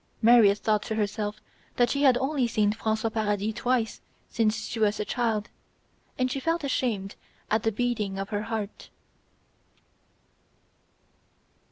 Maria thought to herself that she had only seen François Paradis twice since she was a child, and she felt ashamed at the beating of her heart.